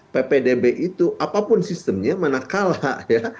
ppdb itu apapun sistemnya mana kalah ya